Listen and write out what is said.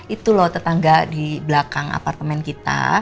itu loh tetangga di belakang apartemen kita